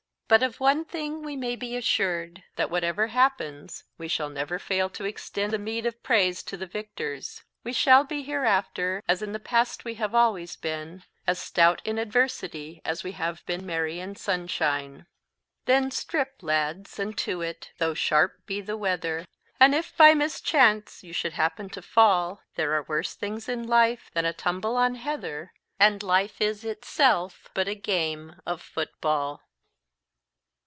But of one thing we may be assured that whatever happens, we shall never fail to extend the meed of praise to the victors. We shall be hereafter, as in the past we have always been, as stout in adversity as we have been merry in sunshine." "Then strip, lads, and to it Though sharp be the weather; And if, by mischance you should happen to fall There are worse things in life Than a tumble on heather And life is itself, but a game, of football."